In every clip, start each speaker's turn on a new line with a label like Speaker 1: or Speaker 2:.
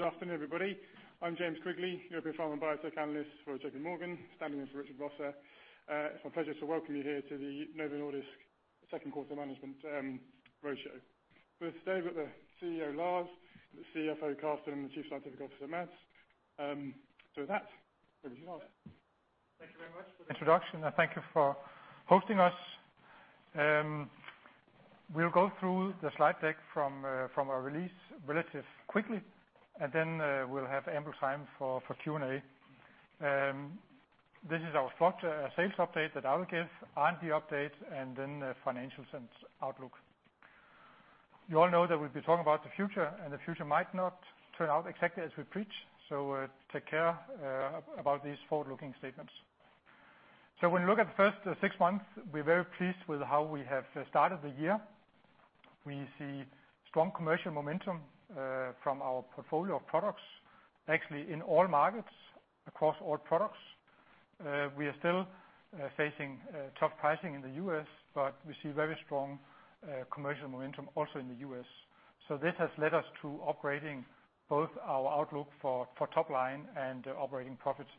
Speaker 1: Good afternoon, everybody. I'm James Quigley, European Pharma and Biotech Analyst for J.P. Morgan, standing in for Richard Vosser. It's my pleasure to welcome you here to the Novo Nordisk second quarter management roadshow. With Lars, the CEO, Karsten, the CFO, and the Chief Science Officer, Mads. With that, over to you, Lars.
Speaker 2: Thank you very much for the introduction, and thank you for hosting us. We'll go through the slide deck from our release relatively quickly, and then we'll have ample time for Q&A. This is our structure. A sales update that I will give, R&D update, and then financials and outlook. You all know that we'll be talking about the future, and the future might not turn out exactly as we preach. Take care about these forward-looking statements. When we look at the first six months, we're very pleased with how we have started the year. We see strong commercial momentum from our portfolio of products, actually in all markets, across all products. We are still facing tough pricing in the U.S., but we see very strong commercial momentum also in the U.S. This has led us to updating both our outlook for top line and operating profits.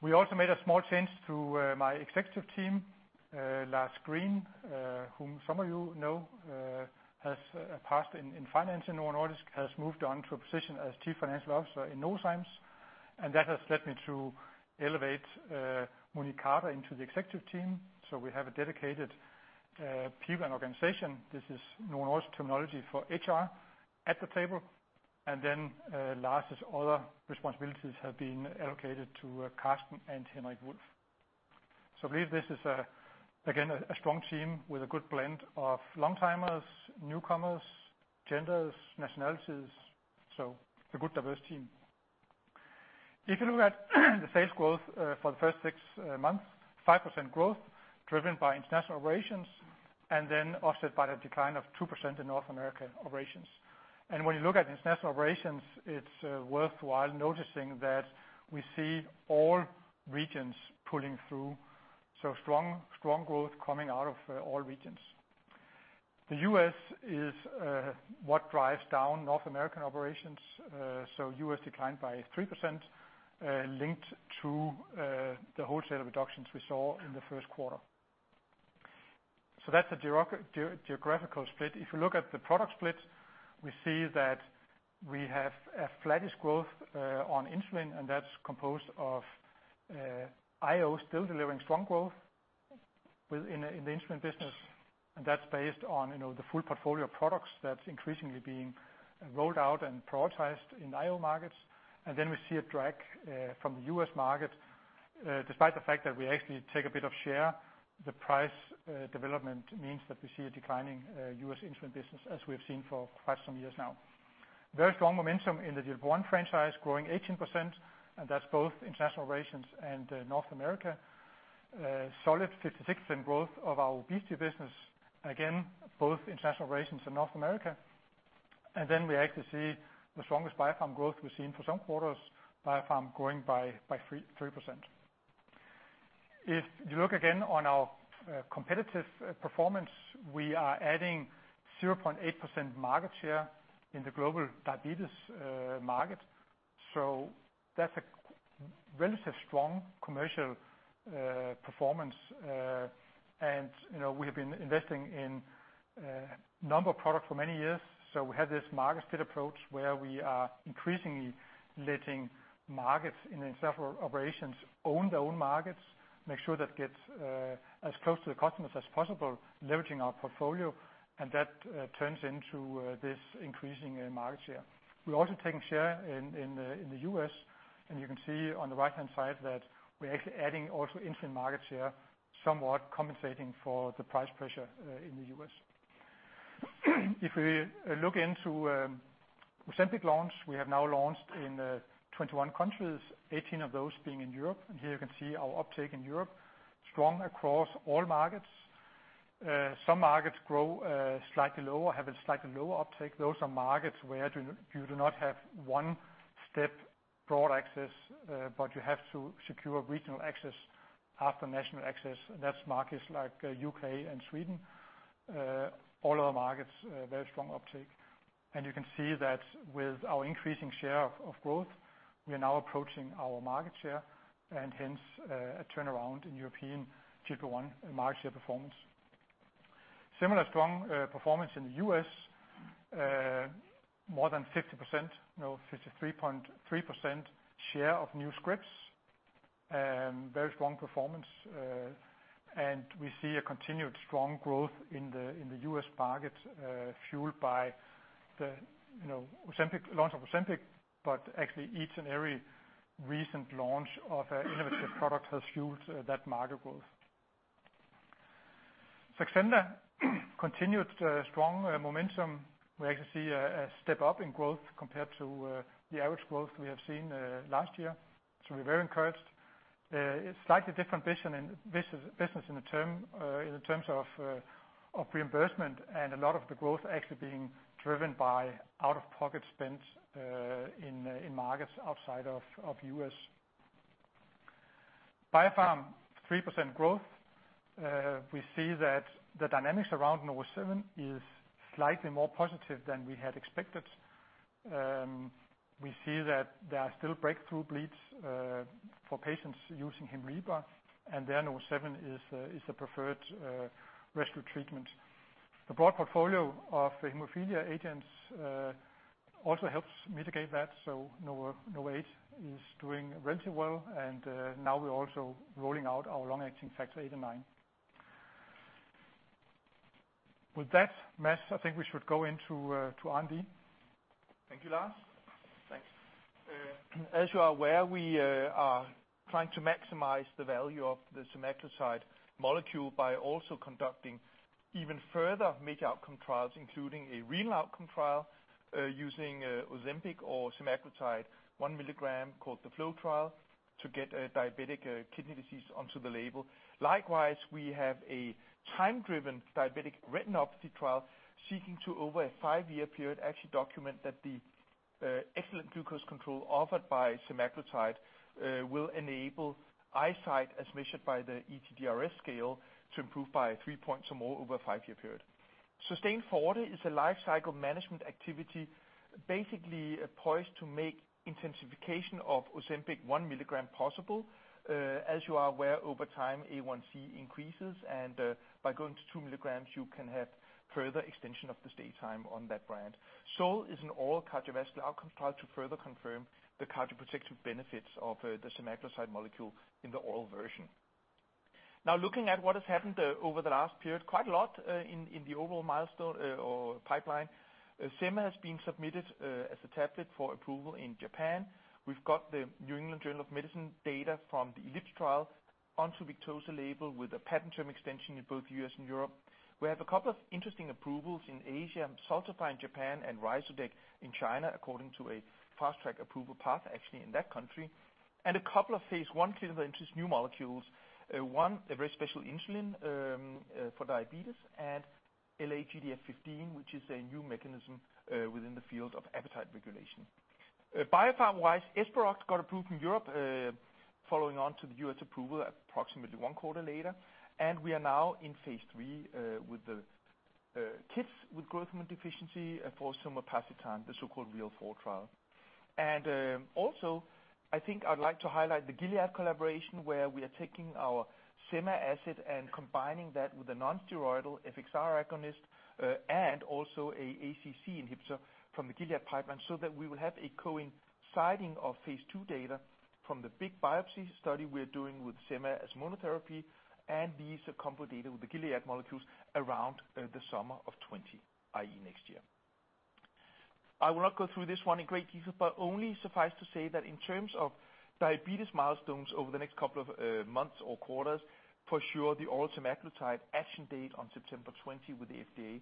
Speaker 2: We also made a small change to my executive team. Lars Green, whom some of you know, has a past in finance in Novo Nordisk, has moved on to a position as Chief Financial Officer in Novozymes, and that has led me to elevate Monique Carter into the executive team. We have a dedicated people and organization, this is Novo Nordisk terminology for HR, at the table. Lars' other responsibilities have been allocated to Karsten and Henrik Wulff. I believe this is, again, a strong team with a good blend of long-timers, newcomers, genders, nationalities. A good diverse team. If you look at the sales growth for the first six months, 5% growth driven by international operations, and then offset by the decline of 2% in North American operations. When you look at international operations, it's worthwhile noticing that we see all regions pulling through. Strong growth coming out of all regions. The U.S. is what drives down North American operations. U.S. declined by 3%, linked to the wholesale reductions we saw in the first quarter. That's the geographical split. If you look at the product split, we see that we have a flattish growth on insulin, and that's composed of IO still delivering strong growth in the insulin business, and that's based on the full portfolio of products that's increasingly being rolled out and prioritized in IO markets. Then we see a drag from the U.S. market, despite the fact that we actually take a bit of share, the price development means that we see a declining U.S. insulin business as we have seen for quite some years now. Very strong momentum in the GLP-1 franchise, growing 18%, and that's both international operations and North America. Solid 56% growth of our obesity business, again, both international operations in North America. We actually see the strongest biofarm growth we've seen for some quarters, biofarm growing by 3%. If you look again on our competitive performance, we are adding 0.8% market share in the global diabetes market. That's a relatively strong commercial performance. We have been investing in a number of products for many years. We have this market-led approach where we are increasingly letting markets in several operations own their own markets, make sure that gets as close to the customers as possible, leveraging our portfolio, and that turns into this increasing market share. We're also taking share in the U.S., and you can see on the right-hand side that we're actually adding also insulin market share, somewhat compensating for the price pressure in the U.S. If we look into Ozempic launch, we have now launched in 21 countries, 18 of those being in Europe. Here you can see our uptake in Europe, strong across all markets. Some markets grow slightly lower, have a slightly lower uptake. Those are markets where you do not have one-step broad access, but you have to secure regional access after national access, and that's markets like U.K. and Sweden. All other markets, very strong uptake. You can see that with our increasing share of growth, we are now approaching our market share, and hence, a turnaround in European GLP-1 market share performance. Similar strong performance in the U.S., more than 50%, no 53.3% share of new scripts. Very strong performance. We see a continued strong growth in the U.S. market, fueled by the launch of Ozempic, but actually each and every recent launch of an innovative product has fueled that market growth. Saxenda, continued strong momentum. We actually see a step up in growth compared to the average growth we have seen last year. We're very encouraged. It's slightly different business in the terms of reimbursement, and a lot of the growth actually being driven by out-of-pocket spend in markets outside of U.S. BioPharm, 3% growth. We see that the dynamics around NO7 is slightly more positive than we had expected. We see that there are still breakthrough bleeds for patients using Hemlibra. There NO7 is the preferred rescue treatment. The broad portfolio of hemophilia agents also helps mitigate that. NO8 is doing relatively well. Now we're also rolling out our long-acting factor eight and nine. With that, Mads, I think we should go into Andy.
Speaker 3: Thank you, Lars. Thanks. As you are aware, we are trying to maximize the value of the semaglutide molecule by also conducting even further major outcome trials, including a renal outcome trial using Ozempic or semaglutide one milligram called the FLOW Trial to get a diabetic kidney disease onto the label. Likewise, we have a time-driven diabetic retinopathy trial seeking to, over a five-year period, actually document that the excellent glucose control offered by semaglutide will enable eyesight, as measured by the ETDRS scale, to improve by three points or more over a five-year period. SUSTAIN Forward is a life cycle management activity basically poised to make intensification of Ozempic one milligram possible. As you are aware, over time, A1c increases, and by going to two milligrams, you can have further extension of the stay time on that brand. SOUL is an all cardiovascular outcome trial to further confirm the cardioprotective benefits of the semaglutide molecule in the oral version. Looking at what has happened over the last period, quite a lot in the overall milestone or pipeline. Sema has been submitted as a tablet for approval in Japan. We've got The New England Journal of Medicine data from the LEADER trials onto Victoza label with a patent term extension in both U.S. and Europe. We have a couple of interesting approvals in Asia, Xultophy in Japan and Ryzodeg in China, according to a fast-track approval path actually in that country. A couple of phase I clinical interest new molecules. One, a very special insulin for diabetes and LA-GDF15, which is a new mechanism within the field of appetite regulation. BioPharm-wise, ESPEROCT got approved in Europe, following on to the U.S. approval approximately one quarter later. We are now in phase III with the kids with growth hormone deficiency for somapacitan, the so-called REAL 4 trial. I think I'd like to highlight the Gilead collaboration, where we are taking our semaglutide and combining that with a nonsteroidal FXR agonist, and also an ACC inhibitor from the Gilead pipeline, so that we will have a coinciding of phase II data from the big biopsy study we're doing with sema as monotherapy, and these combo data with the Gilead molecules around the summer of 2020, i.e., next year. I will not go through this one in great detail, but only suffice to say that in terms of diabetes milestones over the next couple of months or quarters, for sure the oral semaglutide action date on September 20 with the FDA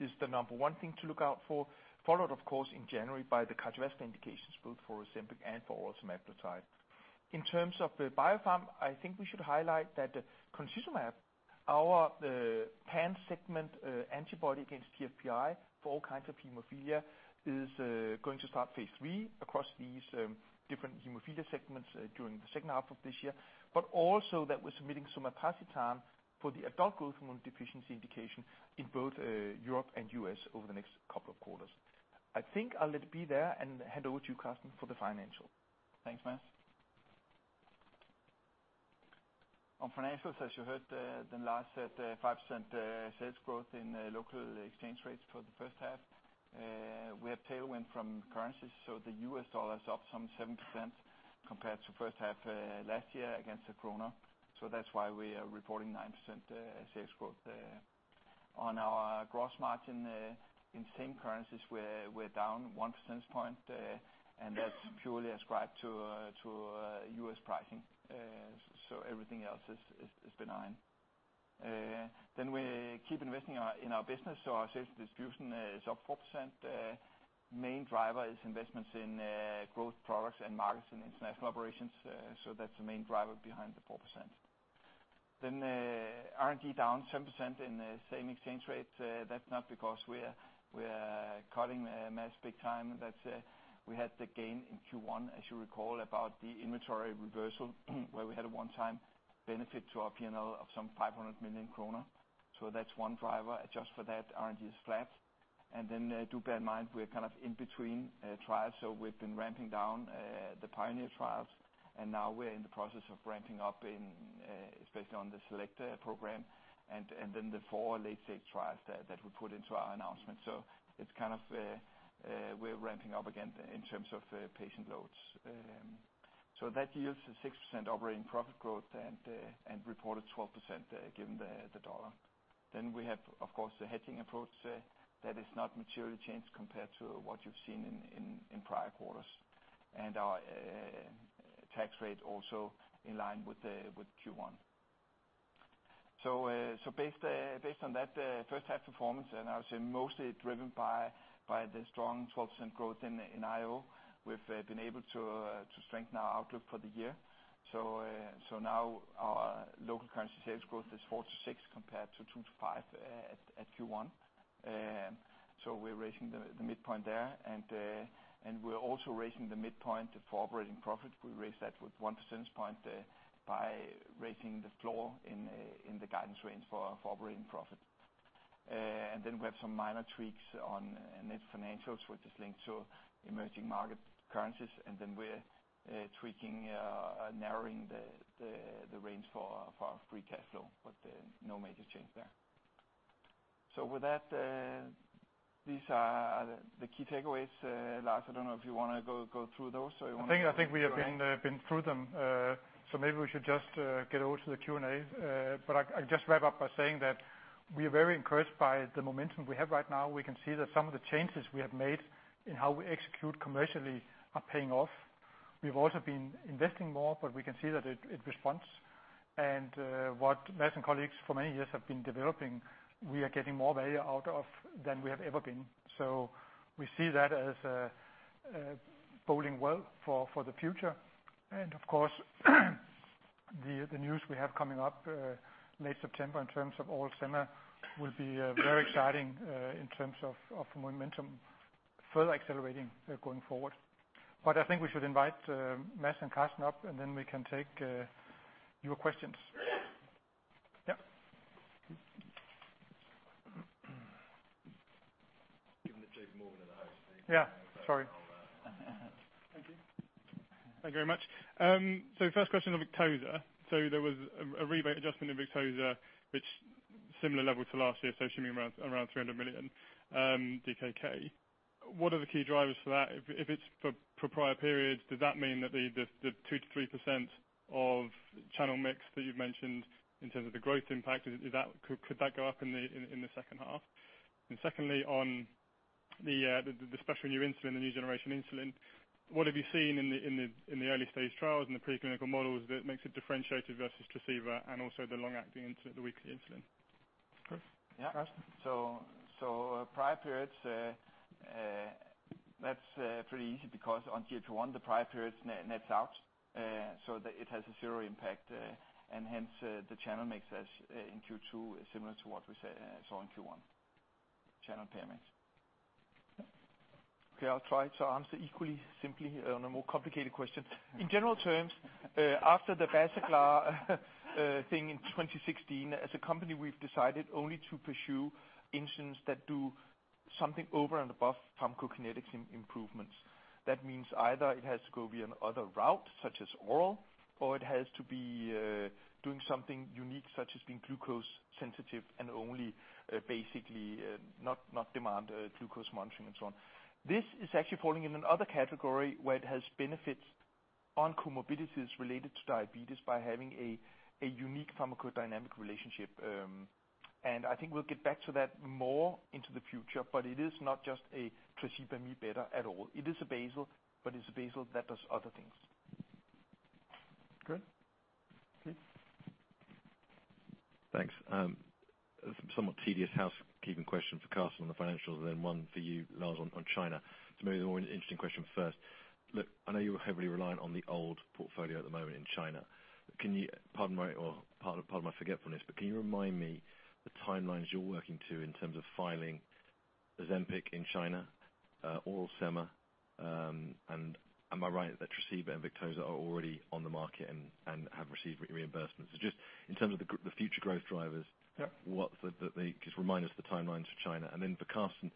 Speaker 3: is the number one thing to look out for, followed of course in January by the cardiovascular indications, both for Ozempic and for oral semaglutide. In terms of the BioPharm, I think we should highlight that concizumab, our pan segment antibody against TFPI for all kinds of hemophilia, is going to start phase III across these different hemophilia segments during the second half of this year. Also that we're submitting somapacitan for the adult growth hormone deficiency indication in both Europe and U.S. over the next couple of quarters. I think I'll let it be there and hand over to you, Carsten, for the financial.
Speaker 4: Thanks, Mads. On financials, as you heard, Lars said 5% sales growth in local exchange rates for the first half. We have tailwind from currencies. The U.S. dollar is up some 7% compared to first half last year against the DKK. That's why we are reporting 9% sales growth there. On our gross margin in same currencies, we're down one percentage point. That's purely ascribed to U.S. pricing. Everything else is benign. We keep investing in our business. Our sales distribution is up 4%. Main driver is investments in growth products and markets in international operations. That's the main driver behind the 4%. R&D down 7% in the same exchange rate. That's not because we are cutting Mads big time. That's we had the gain in Q1, as you recall, about the inventory reversal, where we had a one-time benefit to our P&L of some 500 million kroner. That's one driver. Adjust for that, R&D is flat. Do bear in mind, we're kind of in between trials, we've been ramping down the PIONEER trials, now we're in the process of ramping up especially on the SELECT program and the four late-stage trials that we put into our announcement. It's kind of we're ramping up again in terms of patient loads. That yields a 6% operating profit growth and reported 12% given the dollar. We have, of course, the hedging approach. That has not materially changed compared to what you've seen in prior quarters. Our tax rate also in line with Q1. Based on that first half performance, and I would say mostly driven by the strong 12% growth in IO, we've been able to strengthen our outlook for the year. Now our local currency sales growth is 4%-6% compared to 2%-5% at Q1. We're raising the midpoint there, and we're also raising the midpoint for operating profit. We raised that with one percentage point by raising the floor in the guidance range for operating profit.
Speaker 3: Then we have some minor tweaks on net financials, which is linked to emerging market currencies. Then we are tweaking, narrowing the range for our free cash flow, but no major change there. With that, these are the key takeaways. Lars, I do not know if you want to go through those or you want me to?
Speaker 2: I think we have been through them. Maybe we should just get over to the Q&A. I'll just wrap up by saying that we are very encouraged by the momentum we have right now. We can see that some of the changes we have made in how we execute commercially are paying off. We've also been investing more, but we can see that it responds. What Mads and colleagues for many years have been developing, we are getting more value out of than we have ever been. We see that as boding well for the future. Of course, the news we have coming up late September in terms of oral semaglutide will be very exciting in terms of momentum further accelerating going forward. I think we should invite Mads and Karsten up, and then we can take your questions. Yep.
Speaker 5: Given that you've more than a host-
Speaker 2: Yeah, sorry.
Speaker 5: Thank you. Thank you very much. First question on Victoza. There was a rebate adjustment in Victoza, which similar level to last year, should be around 300 million DKK. What are the key drivers for that? If it's for prior periods, does that mean that the 2%-3% of channel mix that you've mentioned in terms of the growth impact, could that go up in the second half? Secondly, on the special new insulin, the new generation insulin, what have you seen in the early stage trials and the preclinical models that makes it differentiated versus Tresiba and also the long-acting insulin, the weekly insulin? Chris? Yeah.
Speaker 4: Carsten. Prior periods, that's pretty easy because on Q1 the prior periods nets out, so it has a zero impact and hence the channel mix in Q2 is similar to what we saw in Q1. Channel pay mix.
Speaker 2: Okay, I'll try to answer equally simply on a more complicated question. In general terms, after the Basaglar thing in 2016, as a company, we've decided only to pursue insulins that do something over and above pharmacokinetics improvements. That means either it has to go via another route, such as oral, or it has to be doing something unique, such as being glucose sensitive and only basically not demand glucose monitoring and so on. This is actually falling in another category where it has benefits on comorbidities related to diabetes by having a unique pharmacodynamic relationship. I think we'll get back to that more into the future, but it is not just a Tresiba me better at all. It is a basal, but it's a basal that does other things. Good. Lee.
Speaker 6: Thanks. Somewhat tedious housekeeping question for Karsten on the financials, then one for you, Lars, on China. Maybe the more interesting question first. Look, I know you're heavily reliant on the old portfolio at the moment in China. Pardon my forgetfulness, but can you remind me the timelines you're working to in terms of filing Ozempic in China, oral semaglutide, and am I right that Tresiba and Victoza are already on the market and have received reimbursements? Just in terms of the future growth drivers.
Speaker 2: Yep
Speaker 6: Just remind us the timelines for China? For Karsten,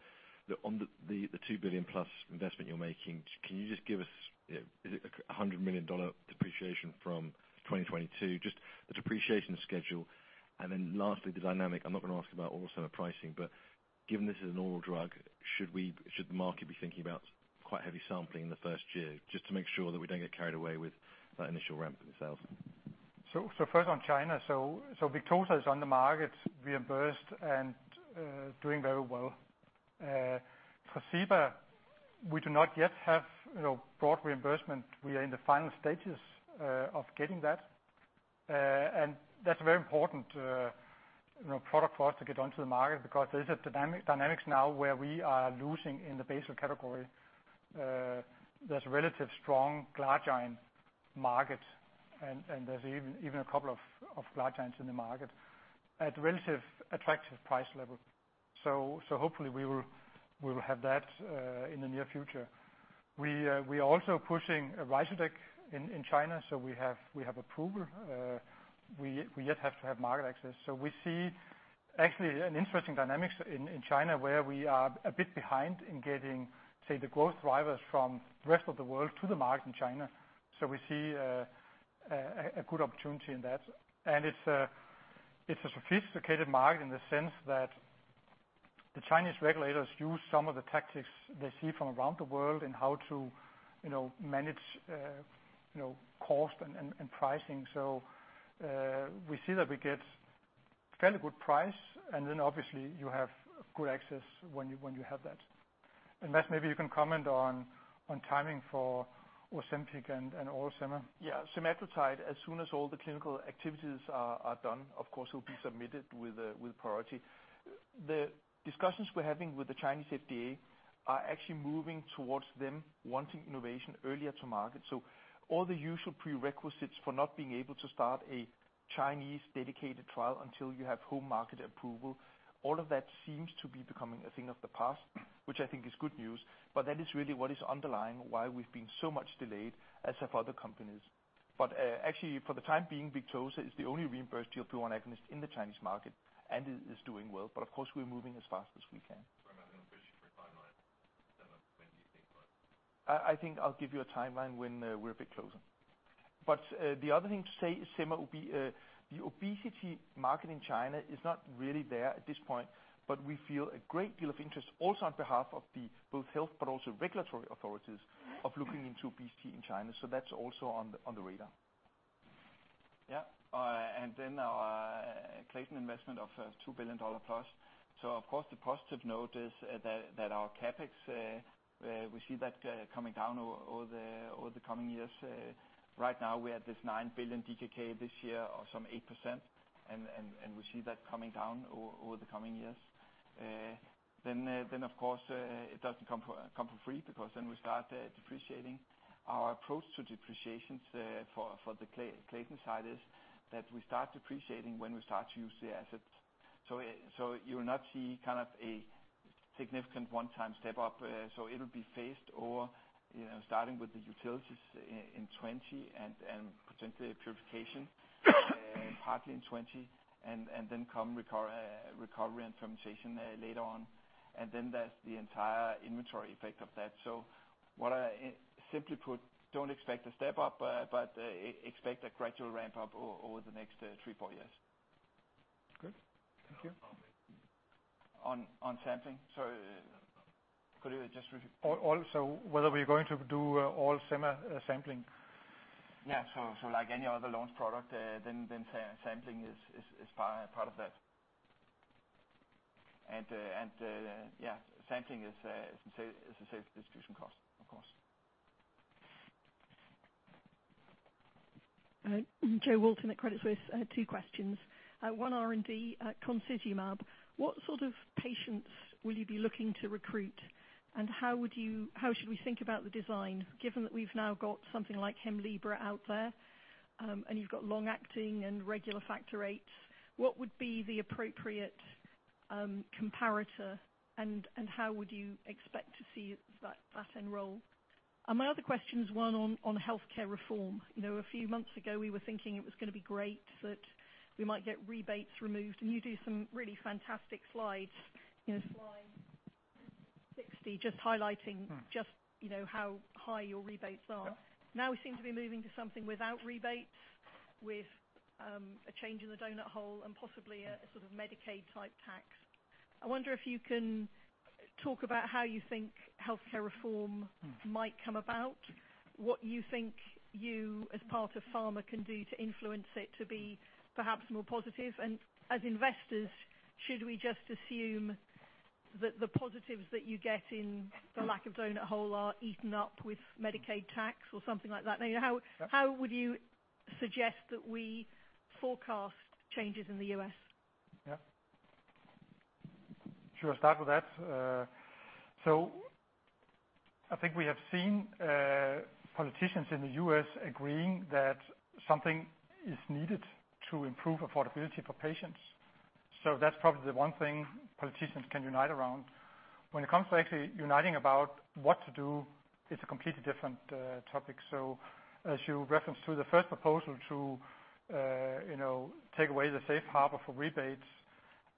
Speaker 6: on the 2 billion plus investment you're making, can you just give us, is it DKK 100 million depreciation from 2022? Just the depreciation schedule. Lastly, the dynamic, I'm not going to ask about oral semaglutide pricing, but given this is an oral drug, should the market be thinking about quite heavy sampling in the first year, just to make sure that we don't get carried away with that initial ramp in the sales?
Speaker 2: First on China. Victoza is on the market, reimbursed, and doing very well. Tresiba, we do not yet have broad reimbursement. We are in the final stages of getting that, and that's a very important product for us to get onto the market because there's a dynamics now where we are losing in the basal category. There's relative strong glargine market, and there's even a couple of glargines in the market at relative attractive price level. Hopefully we will have that in the near future. We are also pushing Ryzodeg in China, we have approval. We yet have to have market access. We see actually an interesting dynamics in China where we are a bit behind in getting, say, the growth drivers from the rest of the world to the market in China. We see a good opportunity in that. It's a sophisticated market in the sense that the Chinese regulators use some of the tactics they see from around the world in how to manage cost and pricing. We see that we get fairly good price, and then obviously you have good access when you have that. Mads, maybe you can comment on timing for Ozempic and oral semaglutide.
Speaker 3: Yeah. semaglutide, as soon as all the clinical activities are done, of course, it will be submitted with priority. The discussions we're having with the Chinese FDA are actually moving towards them wanting innovation earlier to market. All the usual prerequisites for not being able to start a Chinese dedicated trial until you have home market approval, all of that seems to be becoming a thing of the past, which I think is good news. That is really what is underlying why we've been so much delayed as have other companies.
Speaker 2: Actually for the time being, Victoza is the only reimbursement GLP-1 agonist in the Chinese market, and it is doing well. Of course, we're moving as fast as we can.
Speaker 6: I'm not going to push you for a timeline. Semo, when do you think by?
Speaker 2: I think I'll give you a timeline when we're a bit closer. The other thing to say, Sema, will be the obesity market in China is not really there at this point, but we feel a great deal of interest also on behalf of both health but also regulatory authorities of looking into obesity in China. That's also on the radar.
Speaker 4: Yeah. Our Clayton investment of $2 billion plus. Of course, the positive note is that our CapEx, we see that coming down over the coming years. Right now, we're at this 9 billion DKK this year or some 8%, and we see that coming down over the coming years. Of course, it doesn't come for free because then we start depreciating. Our approach to depreciations for the Clayton side is that we start depreciating when we start to use the assets. You will not see a significant one-time step up. It will be phased over starting with the utilities in 2020 and potentially purification, partly in 2020, and then come recovery and fermentation later on. There's the entire inventory effect of that. Simply put, don't expect a step up, but expect a gradual ramp-up over the next three, four years.
Speaker 2: Good. Thank you.
Speaker 4: On sampling. Sorry, could you just repeat?
Speaker 6: Whether we're going to do all sema sampling.
Speaker 4: Yeah. like any other launch product, then sampling is part of that. Yeah, sampling is a sales distribution cost, of course.
Speaker 7: Jo Walton at Credit Suisse. I had two questions. One R&D, concizumab. What sort of patients will you be looking to recruit? How should we think about the design, given that we've now got something like Hemlibra out there, and you've got long-acting and regular factor eights? What would be the appropriate comparator, and how would you expect to see that enroll? My other question is one on healthcare reform. A few months ago, we were thinking it was going to be great that we might get rebates removed, and you do some really fantastic slides, slide 60, just highlighting just how high your rebates are.
Speaker 2: Yeah.
Speaker 7: We seem to be moving to something without rebates, with a change in the donut hole and possibly a sort of Medicaid-type tax. I wonder if you can talk about how you think healthcare reform might come about, what you think you, as part of pharma, can do to influence it to be perhaps more positive. As investors, should we just assume that the positives that you get in the lack of donut hole are eaten up with Medicaid tax or something like that? How would you suggest that we forecast changes in the U.S.?
Speaker 2: Yeah. Sure. I'll start with that. I think we have seen politicians in the U.S. agreeing that something is needed to improve affordability for patients. That's probably the one thing politicians can unite around. When it comes to actually uniting about what to do, it's a completely different topic. As you referenced to the first proposal to take away the safe harbor for rebates,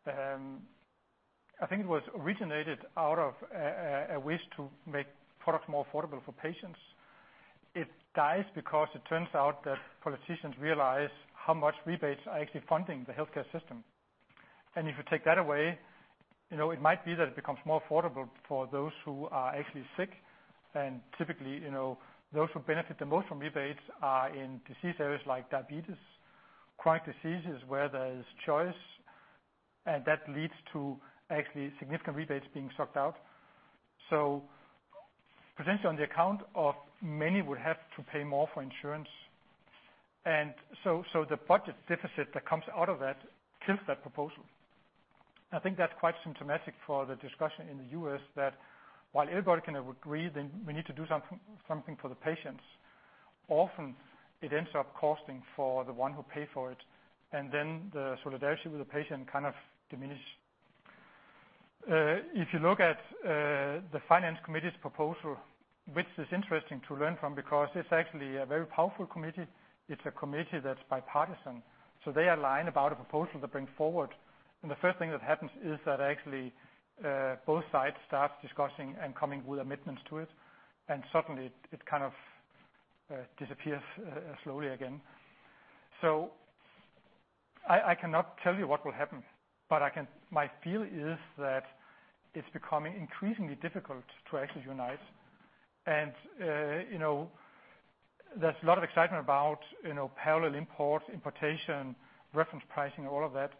Speaker 2: I think it was originated out of a wish to make products more affordable for patients. It dies because it turns out that politicians realize how much rebates are actually funding the healthcare system, and if you take that away, it might be that it becomes more affordable for those who are actually sick. Typically, those who benefit the most from rebates are in disease areas like diabetes, chronic diseases where there's choice, and that leads to actually significant rebates being sucked out. Potentially on the account of many would have to pay more for insurance. The budget deficit that comes out of that kills that proposal. I think that's quite symptomatic for the discussion in the U.S. that while everybody can agree that we need to do something for the patients, often it ends up costing for the one who pay for it, and then the solidarity with the patient kind of diminish. If you look at the Finance Committee's proposal, which is interesting to learn from because it's actually a very powerful committee. It's a committee that's bipartisan. They align about a proposal to bring forward, and the first thing that happens is that actually, both sides start discussing and coming with amendments to it, and suddenly it kind of disappears slowly again. I cannot tell you what will happen, but my feel is that it's becoming increasingly difficult to actually unite. There's a lot of excitement about parallel import, importation, reference pricing, all of that,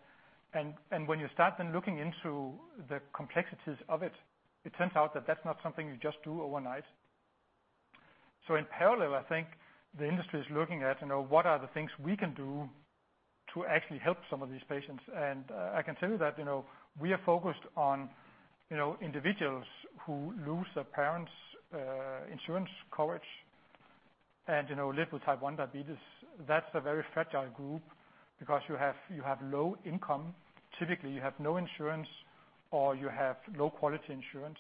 Speaker 2: and when you start then looking into the complexities of it turns out that that's not something you just do overnight. In parallel, I think the industry is looking at what are the things we can do to actually help some of these patients. I can tell you that we are focused on individuals who lose their parents' insurance coverage and live with type 1 diabetes. That's a very fragile group because you have low income. Typically, you have no insurance or you have low-quality insurance.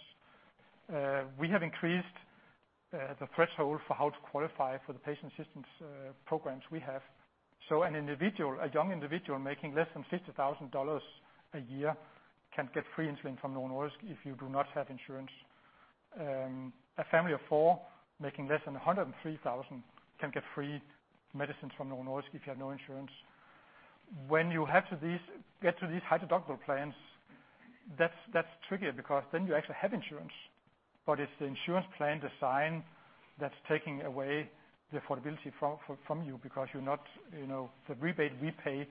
Speaker 2: We have increased the threshold for how to qualify for the patient assistance programs we have. An individual, a young individual making less than $50,000 a year can get free insulin from Novo Nordisk if you do not have insurance. A family of four making less than $103,000 can get free medicines from Novo Nordisk if you have no insurance. When you have to get to these high deductible plans, that's trickier because then you actually have insurance, but it's the insurance plan design that's taking away the affordability from you because the rebate we pay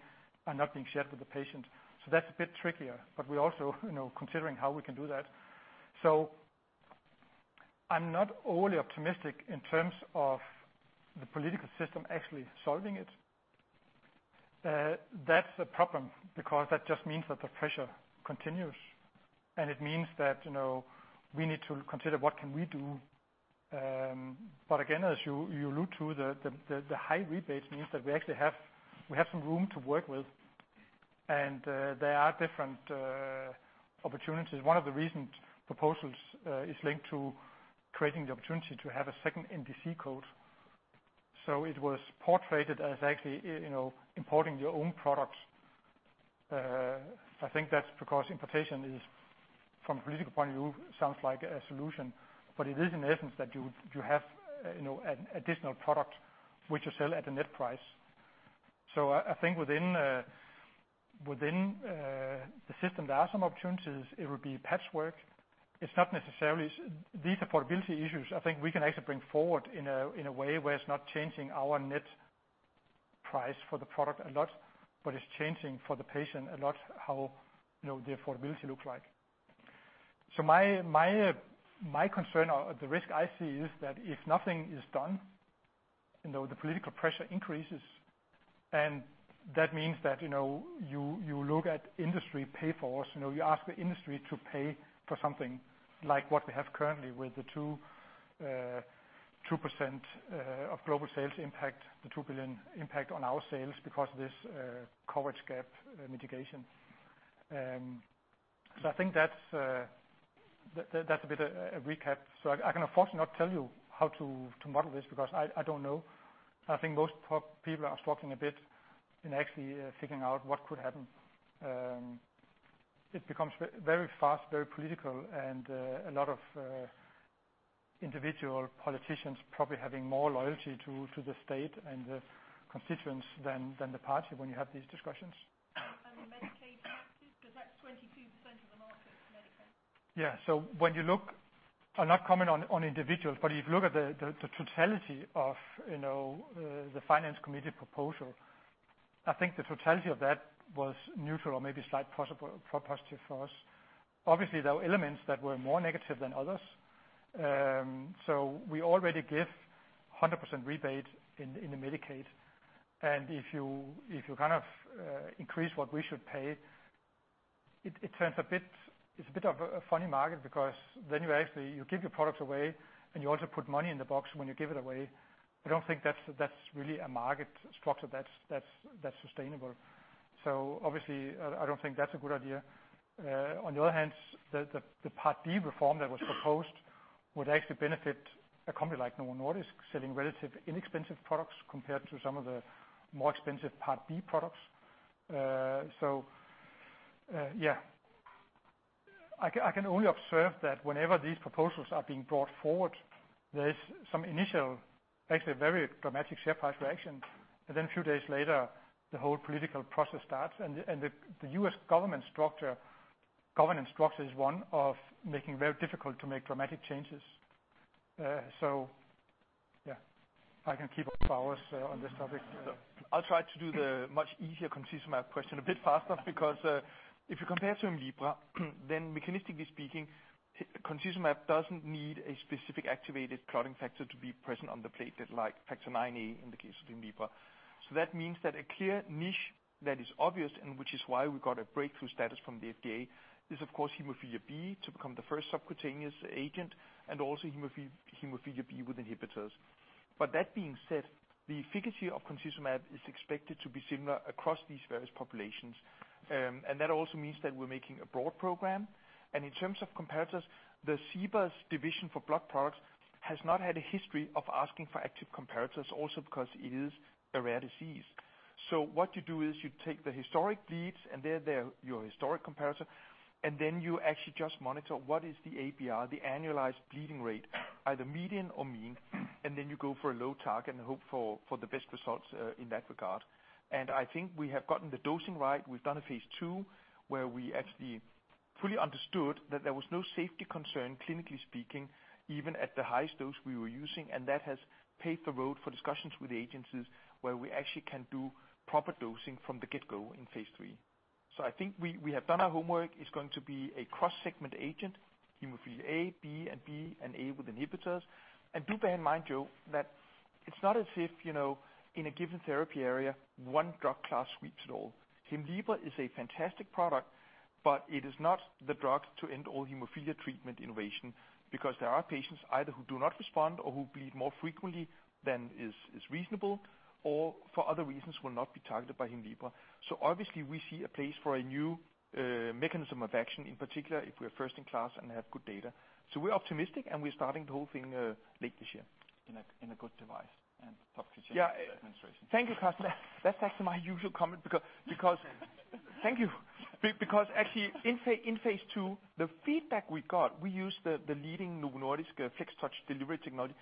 Speaker 2: are not being shared with the patient. That's a bit trickier, but we're also considering how we can do that. I'm not overly optimistic in terms of the political system actually solving it. That's the problem, because that just means that the pressure continues, and it means that we need to consider what can we do. Again, as you allude to, the high rebate means that we have some room to work with, and there are different opportunities. One of the recent proposals is linked to creating the opportunity to have a second NDC code. It was portrayed as actually importing your own products. I think that's because importation is, from a political point of view, sounds like a solution. It is in essence that you have an additional product which you sell at a net price. I think within the system, there are some opportunities. It would be patchwork. These affordability issues, I think we can actually bring forward in a way where it's not changing our net price for the product a lot, but it's changing for the patient a lot how the affordability looks like. My concern or the risk I see is that if nothing is done, the political pressure increases. That means that you look at industry pay for, you ask the industry to pay for something like what we have currently with the 2% of global sales impact, the 2 billion impact on our sales because of this coverage gap mitigation. I think that's a bit of a recap. I can unfortunately not tell you how to model this because I don't know. I think most people are struggling a bit in actually figuring out what could happen. It becomes very fast, very political, and a lot of individual politicians probably having more loyalty to the state and the constituents than the party when you have these discussions.
Speaker 7: The Medicaid taxes, because that's 22% of the market for Medicaid.
Speaker 2: Yeah. I'll not comment on individuals, but if you look at the totality of the Finance Committee proposal, I think the totality of that was neutral or maybe slight possible pro positive for us. Obviously, there were elements that were more negative than others. We already give 100% rebate in the Medicaid, and if you increase what we should pay, it's a bit of a funny market because then you give your products away, and you also put money in the box when you give it away. I don't think that's really a market structure that's sustainable. Obviously, I don't think that's a good idea. On the other hand, the Part D reform that was proposed would actually benefit a company like Novo Nordisk, selling relatively inexpensive products compared to some of the more expensive Part D products. Yeah. I can only observe that whenever these proposals are being brought forward, there's some initial, actually very dramatic share price reaction. Then a few days later, the whole political process starts, and the U.S. government structure, governance structure is one of making very difficult to make dramatic changes. Yeah. I can keep on for hours on this topic. I'll try to do the much easier concizumab question a bit faster because, if you compare to Hemlibra, then mechanistically speaking, concizumab doesn't need a specific activated clotting Factor IXa to be present on the platelet, like Factor IXa in the case of Hemlibra. That means that a clear niche that is obvious and which is why we got a breakthrough status from the FDA is, of course, hemophilia B to become the first subcutaneous agent and also hemophilia B with inhibitors.
Speaker 3: That being said, the efficacy of concizumab is expected to be similar across these various populations. That also means that we're making a broad program. In terms of competitors, the CBER division for blood products has not had a history of asking for active competitors also because it is a rare disease. What you do is you take the historic bleeds, and they're your historic competitor, and then you actually just monitor what is the ABR, the annualized bleeding rate, either median or mean, and then you go for a low target and hope for the best results in that regard. I think we have gotten the dosing right. We've done a phase II where we actually fully understood that there was no safety concern, clinically speaking, even at the highest dose we were using. That has paved the road for discussions with the agencies where we actually can do proper dosing from the get-go in phase III. I think we have done our homework. It's going to be a cross-segment agent, hemophilia A, B, and B and A with inhibitors. Do bear in mind, Joe, that it's not as if in a given therapy area, one drug class sweeps it all. Hemlibra is a fantastic product, but it is not the drug to end all hemophilia treatment innovation because there are patients either who do not respond or who bleed more frequently than is reasonable or for other reasons will not be targeted by Hemlibra. Obviously, we see a place for a new. Mechanism of action, in particular, if we're first in class and have good data. We're optimistic, and we're starting the whole thing late this year.
Speaker 4: In a good device and administration.
Speaker 3: Thank you, Karsten. That's actually my usual comment. Thank you. Actually, in phase II, the feedback we got, we used the leading Novo Nordisk FlexTouch delivery technology.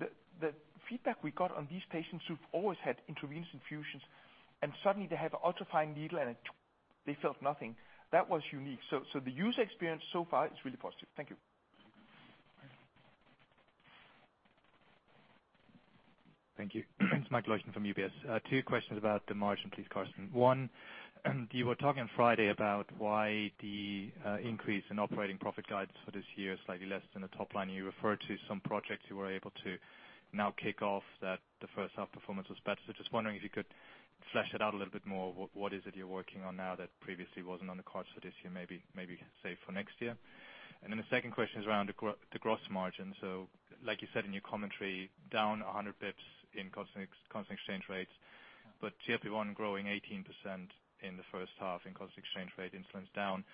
Speaker 3: The feedback we got on these patients who've always had intravenous infusions, and suddenly they have ultra-fine needle and they felt nothing. That was unique. The user experience so far is really positive. Thank you. Thank you.
Speaker 8: It's Mike Lewin from UBS. Two questions about the margin, please, Karsten. One, you were talking on Friday about why the increase in operating profit guidance for this year is slightly less than the top line. You referred to some projects you were able to now kick off that the first half performance was better. Just wondering if you could flesh it out a little bit more, what is it you're working on now that previously wasn't on the cards for this year, maybe saved for next year? The second question is around the gross margin. Like you said in your commentary, down 100 basis points in constant exchange rates, but GLP-1 growing 18% in the first half in constant exchange rate influence down.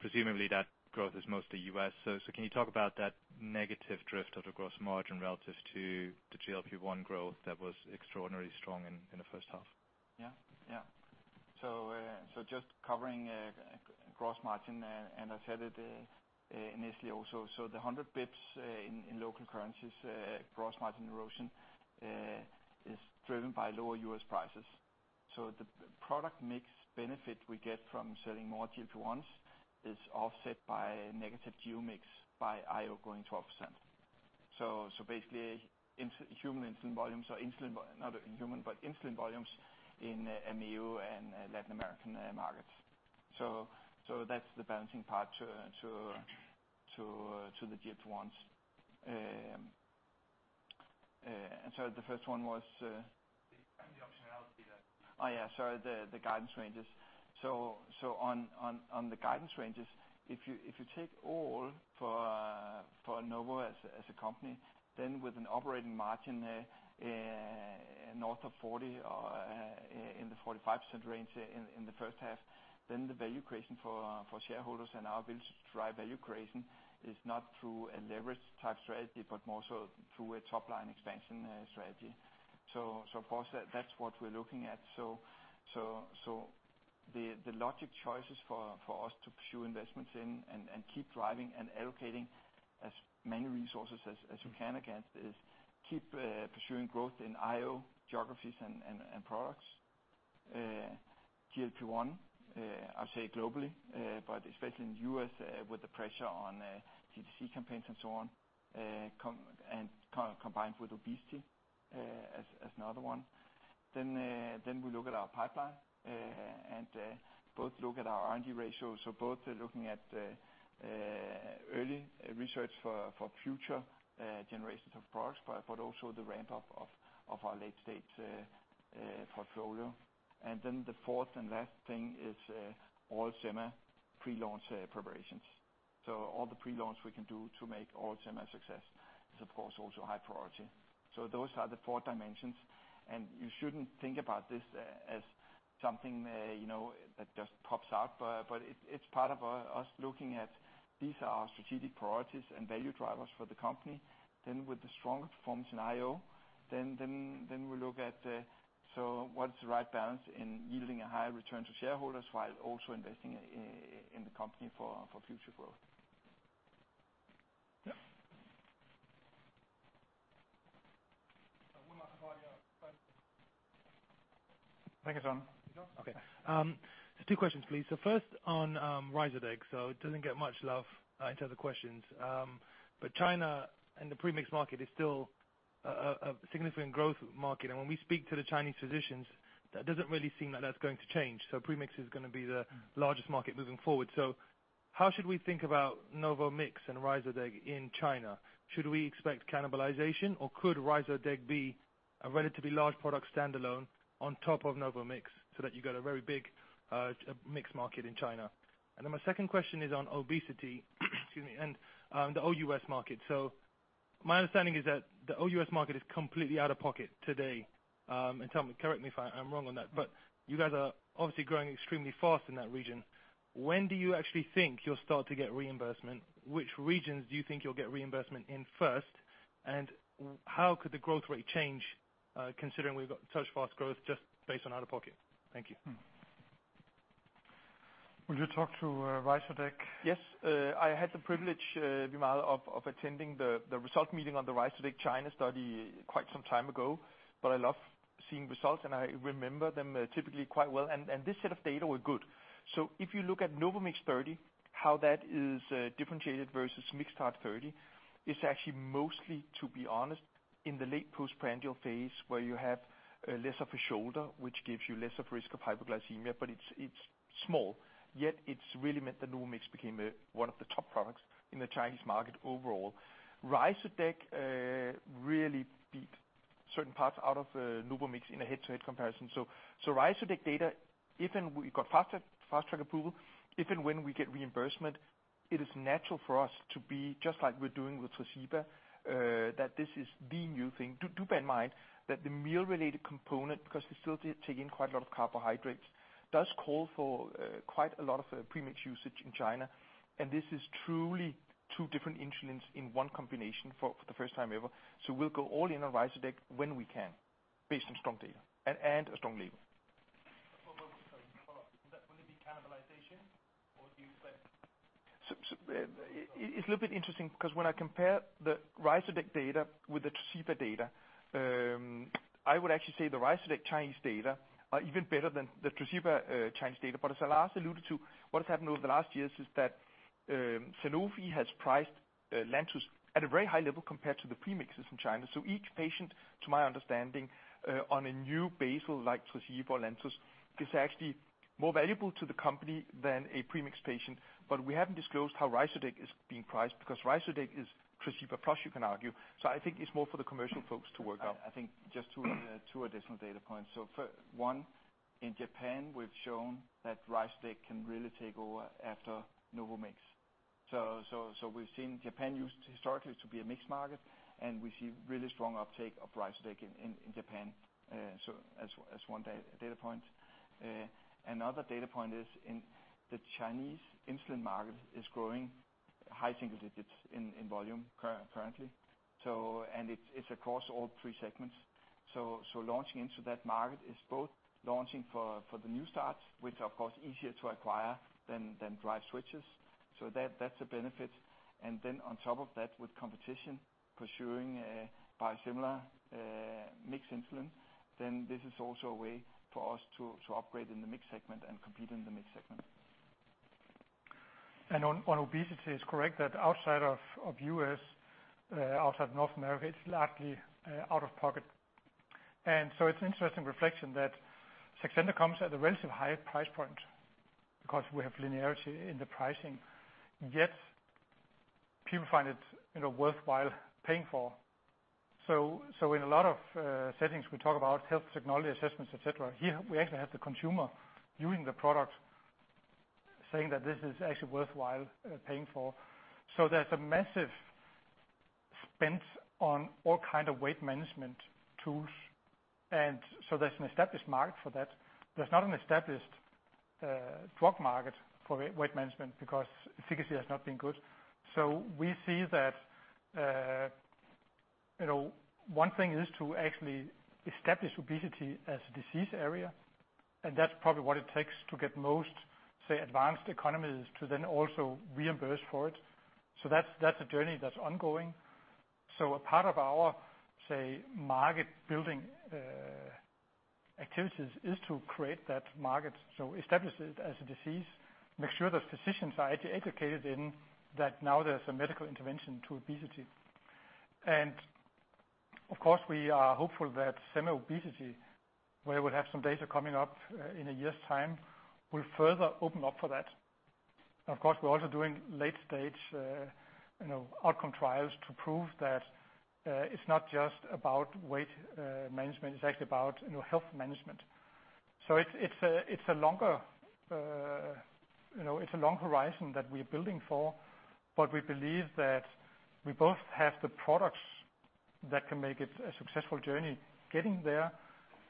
Speaker 8: Presumably that growth is mostly U.S. Can you talk about that negative drift of the gross margin relative to the GLP-1 growth that was extraordinarily strong in the first half?
Speaker 4: Yeah. Just covering gross margin, and I said it initially also, the 100 basis points in local currencies gross margin erosion is driven by lower U.S. prices. The product mix benefit we get from selling more GLP-1s is offset by negative geo mix by IO going 12%. Basically, human insulin volumes or insulin, not human, but insulin volumes in AAMEO and Latin American markets. That's the balancing part to the GLP-1s. The first one was?
Speaker 8: The optionality that-
Speaker 4: Yeah. Sorry, the guidance ranges. On the guidance ranges, if you take all for Novo as a company, then with an operating margin north of 40 or in the 45% range in the first half, then the value creation for shareholders and our ability to drive value creation is not through a leverage type strategy, but more so through a top-line expansion strategy. Of course, that's what we're looking at. The logic choices for us to pursue investments in and keep driving and allocating as many resources as we can, again, is keep pursuing growth in IO geographies and products. GLP-1, I would say globally, but especially in the U.S. with the pressure on D2C campaigns and so on, and combined with obesity as another one. We look at our pipeline, and both look at our R&D ratio. Both are looking at early research for future generations of products, but also the ramp-up of our late-stage portfolio. The fourth and last thing is all sema pre-launch preparations. All the pre-launch we can do to make all sema a success is, of course, also a high priority. Those are the four dimensions, and you shouldn't think about this as something that just pops out, but it's part of us looking at these are our strategic priorities and value drivers for the company. With the strongest performance in IO, then we look at what's the right balance in yielding a high return to shareholders while also investing in the company for future growth?
Speaker 2: Yeah.
Speaker 1: We might as well
Speaker 9: Thank you, John. John? Just two questions, please. First on Ryzodeg. It doesn't get much love in terms of questions. China and the premix market is still a significant growth market, and when we speak to the Chinese physicians, that doesn't really seem like that's going to change. Premix is going to be the largest market moving forward. How should we think about NovoMix and Ryzodeg in China? Should we expect cannibalization or could Ryzodeg be a relatively large product standalone on top of NovoMix so that you get a very big mixed market in China? My second question is on obesity, excuse me, and the OUS market. My understanding is that the OUS market is completely out of pocket today. Correct me if I'm wrong on that, but you guys are obviously growing extremely fast in that region. When do you actually think you'll start to get reimbursement? Which regions do you think you'll get reimbursement in first? How could the growth rate change considering we've got such fast growth just based on out-of-pocket? Thank you.
Speaker 2: Would you talk to Ryzodeg?
Speaker 3: Yes. I had the privilege, Wimal, of attending the results meeting on the Ryzodeg China study quite some time ago. I love seeing results, and I remember them typically quite well, and this set of data was good. If you look at NovoMix 30, how that is differentiated versus Mixtard 30, it's actually mostly, to be honest, in the late postprandial phase where you have less of risk of hypoglycemia. It's small. Yet it's really meant that NovoMix became one of the top products in the Chinese market overall. Ryzodeg really beat certain parts out of NovoMix in a head-to-head comparison. Ryzodeg data, if and we got fast-track approval, if and when we get reimbursement. It is natural for us to be just like we're doing with Tresiba, that this is the new thing. Do bear in mind that the meal-related component, because we still take in quite a lot of carbohydrates, does call for quite a lot of premix usage in China, and this is truly two different insulins in one combination for the first time ever. We'll go all-in on Ryzodeg when we can, based on strong data and a strong label.
Speaker 9: Sorry, follow-up. Will it be cannibalization, or do you expect-
Speaker 3: It's a little bit interesting because when I compare the Ryzodeg data with the Tresiba data, I would actually say the Ryzodeg Chinese data are even better than the Tresiba Chinese data. As Lars alluded to, what has happened over the last years is that Sanofi has priced Lantus at a very high level compared to the premixes in China. Each patient, to my understanding, on a new basal like Tresiba or Lantus, is actually more valuable to the company than a premix patient. We haven't disclosed how Ryzodeg is being priced because Ryzodeg is Tresiba plus, you can argue. I think it's more for the commercial folks to work out.
Speaker 4: I think just two additional data points. One, in Japan, we've shown that Ryzodeg can really take over after NovoMix. We've seen Japan used historically to be a mix market, and we see really strong uptake of Ryzodeg in Japan. As one data point. Another data point is in the Chinese insulin market is growing high single digits in volume currently. It's across all three segments. Launching into that market is both launching for the new starts, which are of course easier to acquire than drive switches. That's a benefit, on top of that with competition pursuing a biosimilar mixed insulin, then this is also a way for us to operate in the mix segment and compete in the mix segment.
Speaker 2: On obesity, it's correct that outside of U.S., outside North America, it's largely out of pocket. It's an interesting reflection that Saxenda comes at a relatively high price point because we have linearity in the pricing, yet people find it worthwhile paying for. In a lot of settings, we talk about health technology assessments, et cetera. Here we actually have the consumer using the product saying that this is actually worthwhile paying for. There's a massive spend on all kind of weight management tools, and so there's an established market for that. There's not an established drug market for weight management because efficacy has not been good. We see that one thing is to actually establish obesity as a disease area, and that's probably what it takes to get most, say, advanced economies to then also reimburse for it. That's a journey that's ongoing. A part of our, say, market building activities is to create that market. Establish it as a disease, make sure those physicians are educated in that now there's a medical intervention to obesity. Of course, we are hopeful that sema obesity, where we'll have some data coming up in a year's time, will further open up for that. Of course, we're also doing late-stage outcome trials to prove that it's not just about weight management, it's actually about health management. It's a long horizon that we're building for, but we believe that we both have the products that can make it a successful journey getting there,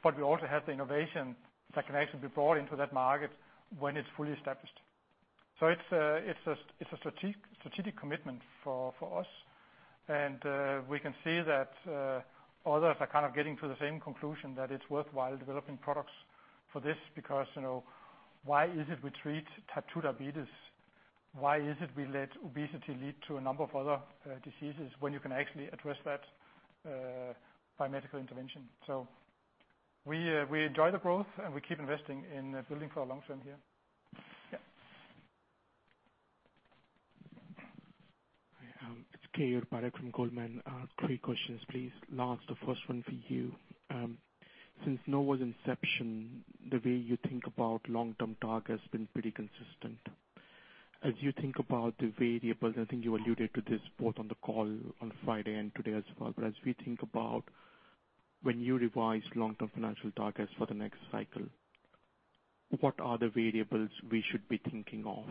Speaker 2: but we also have the innovation that can actually be brought into that market when it's fully established. It's a strategic commitment for us, and we can see that others are getting to the same conclusion, that it's worthwhile developing products for this because why is it we treat type 2 diabetes? Why is it we let obesity lead to a number of other diseases when you can actually address that by medical intervention? We enjoy the growth, and we keep investing in building for our long term here.
Speaker 9: Yeah.
Speaker 10: Hi, it's Keyur Parekh from Goldman. Three questions, please, Lars, the first one for you. Since Novo's inception, the way you think about long-term targets has been pretty consistent. As you think about the variables, I think you alluded to this both on the call on Friday and today as well, as we think about when you revise long-term financial targets for the next cycle, what are the variables we should be thinking of?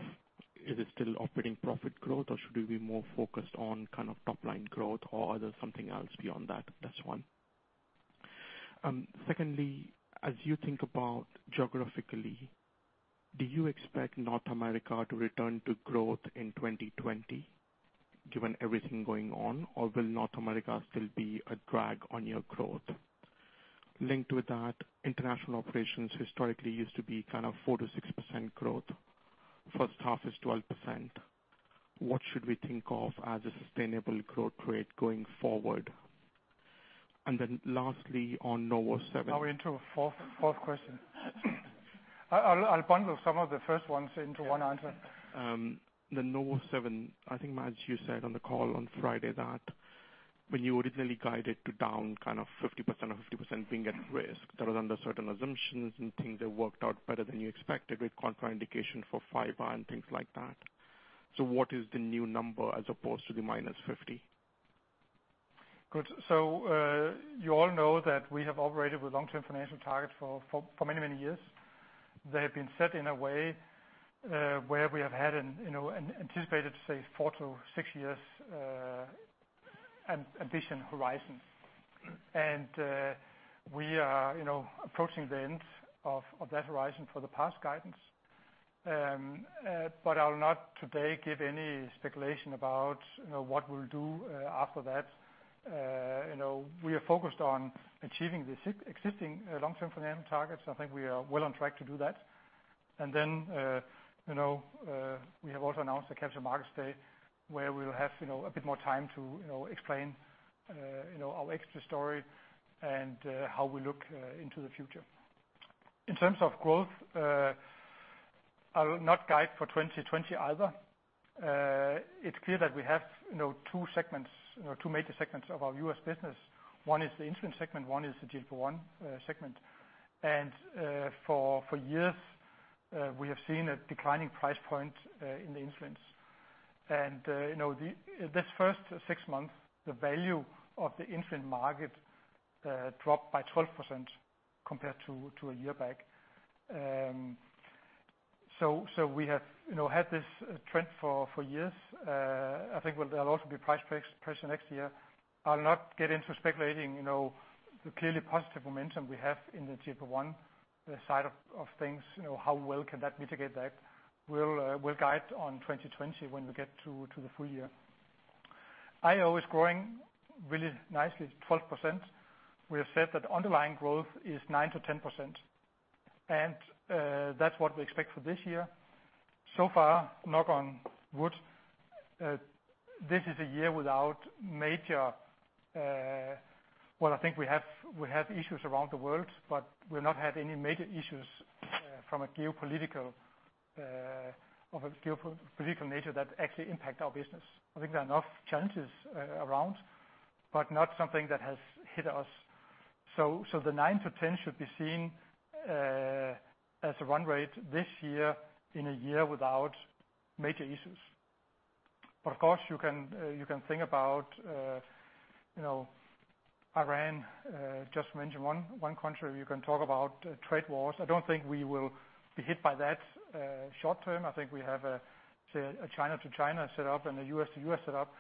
Speaker 10: Is it still operating profit growth, should we be more focused on top line growth, are there something else beyond that? That's one. Secondly, as you think about geographically, do you expect North America to return to growth in 2020 given everything going on, will North America still be a drag on your growth? Linked with that, international operations historically used to be 4%-6% growth. First half is 12%. What should we think of as a sustainable growth rate going forward? Lastly, on NovoSeven.
Speaker 2: Are we into a fourth question? I'll bundle some of the first ones into one answer.
Speaker 10: The NovoSeven, I think, Mads, you said on the call on Friday that when you originally guided to down 50% of 50% being at risk, that was under certain assumptions and things have worked out better than you expected with contraindication for Fibro and things like that. What is the new number as opposed to the minus 50?
Speaker 2: Good. You all know that we have operated with long-term financial targets for many, many years. They have been set in a way where we have had an anticipated, say, 4-6 years ambition horizon. We are approaching the end of that horizon for the past guidance. I'll not today give any speculation about what we'll do after that. We are focused on achieving the existing long-term financial targets. I think we are well on track to do that. We have also announced the Capital Markets Day where we'll have a bit more time to explain our extra story and how we look into the future. In terms of growth, I'll not guide for 2020 either. It's clear that we have two major segments of our U.S. business. One is the insulin segment, one is the GLP-1 segment. For years, we have seen a declining price point in the insulin. This first six months, the value of the insulin market dropped by 12% compared to a year back. We have had this trend for years. I think there'll also be price pressure next year. I'll not get into speculating the clearly positive momentum we have in the GLP-1 side of things, how well can that mitigate that. We'll guide on 2020 when we get to the full year. IO is growing really nicely at 12%. We have said that underlying growth is 9%-10%, and that's what we expect for this year. So far, knock on wood, this is a year without major Well, I think we have issues around the world, but we've not had any major issues from a geopolitical nature that actually impact our business. I think there are enough challenges around, but not something that has hit us. The 9-10 should be seen as a run rate this year in a year without major issues. Of course, you can think about Iran. Just to mention one country, you can talk about trade wars. I don't think we will be hit by that short term. I think we have a China to China set up and a U.S. to U.S. set up.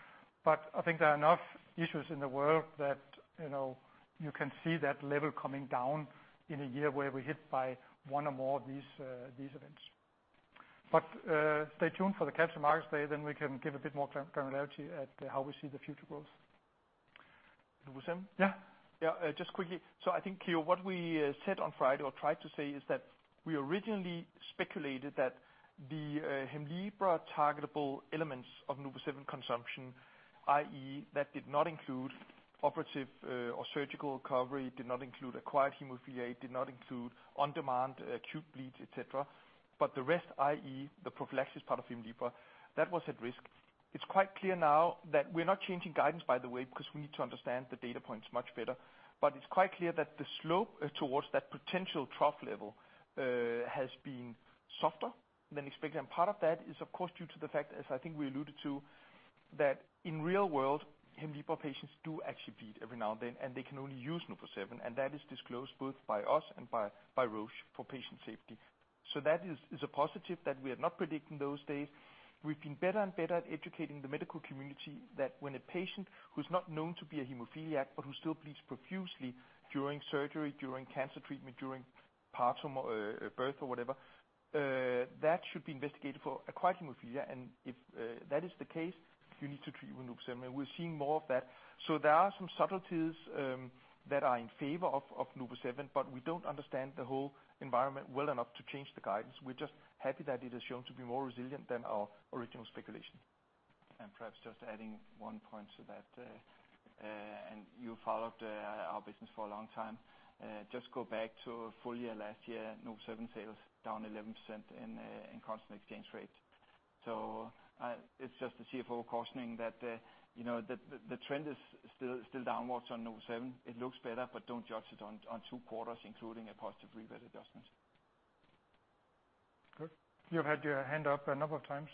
Speaker 2: I think there are enough issues in the world that you can see that level coming down in a year where we're hit by one or more of these events. Stay tuned for the Capital Markets Day, then we can give a bit more granularity at how we see the future growth.
Speaker 3: Lourem?
Speaker 2: Yeah.
Speaker 3: Yeah, just quickly. I think, Kio, what we said on Friday, or tried to say, is that we originally speculated that the Hemlibra targetable elements of NovoSeven consumption, i.e., that did not include operative or surgical recovery, did not include acquired hemophilia, did not include on-demand acute bleeds, et cetera. The rest, i.e., the prophylaxis part of Hemlibra, that was at risk. It's quite clear now that we're not changing guidance, by the way, because we need to understand the data points much better. It's quite clear that the slope towards that potential trough level has been softer than expected. Part of that is of course, due to the fact, as I think we alluded to, that in real world, Hemlibra patients do actually bleed every now and then, and they can only use NovoSeven, and that is disclosed both by us and by Roche for patient safety. That is a positive that we are not predicting those days. We've been better and better at educating the medical community that when a patient who's not known to be a hemophiliac, but who still bleeds profusely during surgery, during cancer treatment, during birth or whatever, that should be investigated for acquired hemophilia. If that is the case, you need to treat with NovoSeven, and we're seeing more of that. There are some subtleties that are in favor of NovoSeven, but we don't understand the whole environment well enough to change the guidance. We're just happy that it has shown to be more resilient than our original speculation.
Speaker 4: Perhaps just adding one point to that, and you followed our business for a long time. Just go back to full year last year, NovoSeven sales down 11% in constant exchange rate. It's just the CFO cautioning that the trend is still downwards on NovoSeven. It looks better, but don't judge it on two quarters, including a positive rebate adjustment.
Speaker 2: Good. You've had your hand up a number of times.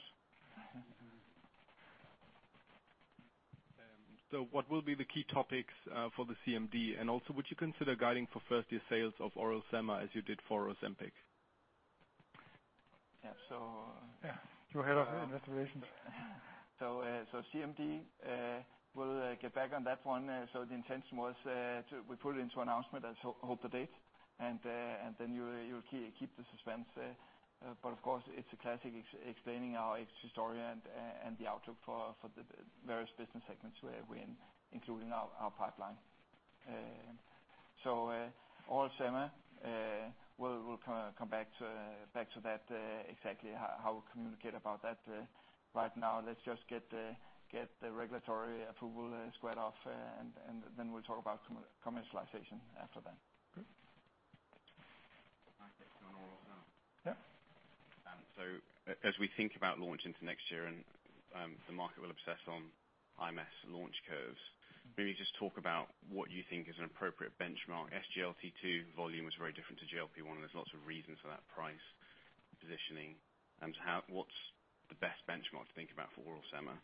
Speaker 8: What will be the key topics for the CMD? Would you consider guiding for first year sales of oral sema as you did for Ozempic?
Speaker 4: Yeah.
Speaker 2: Yeah. You had an observation.
Speaker 4: CMD, we'll get back on that one. The intention was we put it into announcement as hold the date, and then you keep the suspense. Of course, it's a classic explaining our history and the outlook for the various business segments where we including our pipeline. Oral sema, we'll come back to that exactly how we communicate about that. Right now let's just get the regulatory approval squared off, and then we'll talk about commercialization after that.
Speaker 2: Good.
Speaker 11: I have one also.
Speaker 2: Yeah.
Speaker 11: As we think about launch into next year and the market will obsess on IMS launch curves, maybe just talk about what you think is an appropriate benchmark. SGLT2 volume is very different to GLP-1, and there's lots of reasons for that price positioning. What's the best benchmark to think about for oral sema?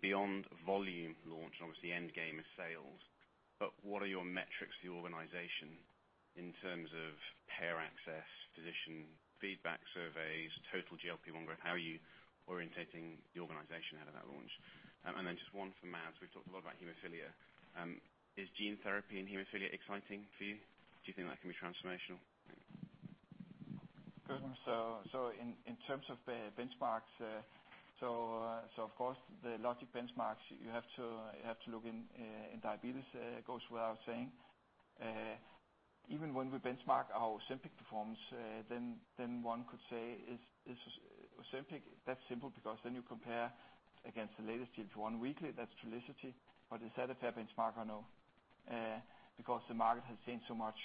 Speaker 11: Beyond volume launch, obviously endgame is sales, but what are your metrics for the organization in terms of payer access, physician feedback surveys, total GLP-1 group? How are you orienting the organization out of that launch? Just one for Mads. We've talked a lot about hemophilia. Is gene therapy in hemophilia exciting for you? Do you think that can be transformational?
Speaker 4: Good one. In terms of benchmarks, of course the logic benchmarks you have to look in diabetes, goes without saying. Even when we benchmark our Ozempic performance, one could say, is Ozempic that simple? You compare against the latest GLP-1 weekly, that's Trulicity. Is that a fair benchmark or no? The market has changed so much.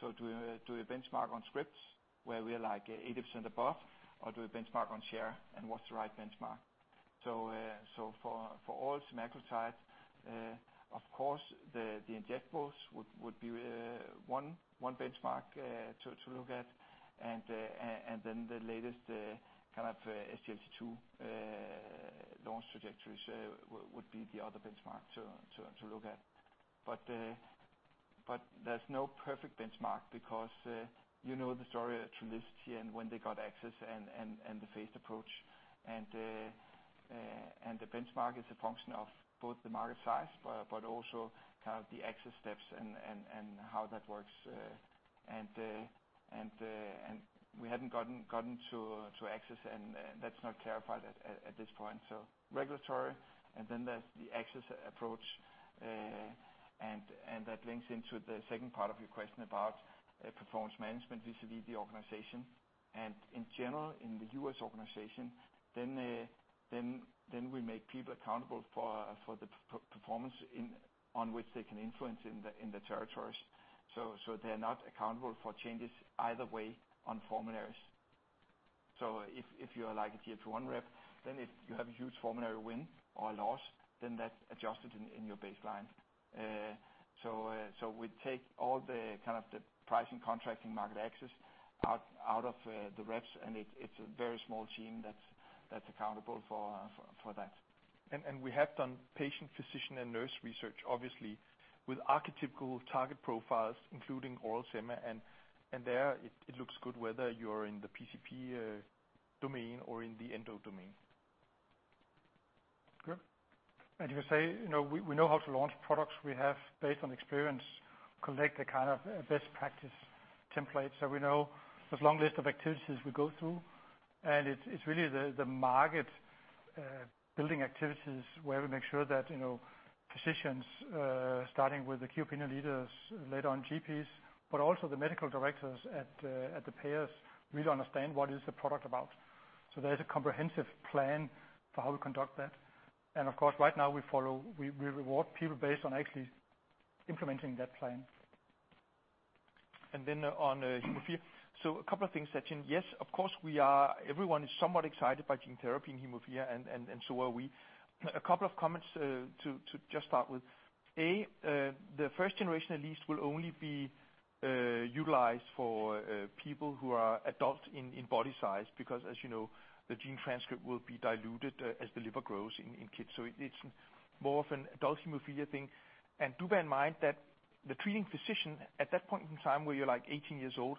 Speaker 4: Do we benchmark on scripts where we are 80% above or do we benchmark on share? What's the right benchmark? For oral semaglutide, of course, the injectables would be one benchmark to look at. The latest kind of SGLT2 launch trajectories would be the other benchmark to look at. There's no perfect benchmark because you know the story of Trulicity and when they got access and the phased approach. The benchmark is a function of both the market size but also kind of the access steps and how that works. We haven't gotten to access, and that's not clarified at this point. Regulatory and then there's the access approach, and that links into the second part of your question about performance management vis-à-vis the organization. In general, in the U.S. organization, then we make people accountable for the performance on which they can influence in the territories. They're not accountable for changes either way on formularies. If you're a GLP-1 rep, then if you have a huge formulary win or loss, then that's adjusted in your baseline. We take all the pricing, contracting, market access out of the reps, and it's a very small team that's accountable for that.
Speaker 3: We have done patient, physician and nurse research, obviously with archetypical target profiles, including oral sema, and there it looks good whether you're in the PCP domain or in the endo domain.
Speaker 4: Good. You say, we know how to launch products. We have, based on experience, collect a kind of best practice template. We know there's a long list of activities we go through, and it's really the market building activities where we make sure that physicians, starting with the key opinion leaders later on GPs, but also the medical directors at the payers really understand what is the product about. There's a comprehensive plan for how we conduct that. Of course, right now we reward people based on actually implementing that plan. On hemophilia. A couple of things, Sachin. Yes, of course everyone is somewhat excited by gene therapy in hemophilia, and so are we. A couple of comments to just start with.
Speaker 3: The first generation at least will only be utilized for people who are adult in body size because as you know, the gene transcript will be diluted as the liver grows in kids. It's more of an adult hemophilia thing. Do bear in mind that the treating physician at that point in time where you're 18 years old,